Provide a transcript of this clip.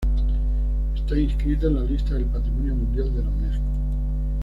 Está inscrita en la lista del patrimonio mundial de la Unesco.